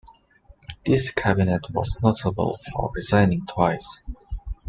This cabinet was notable for resigning twice.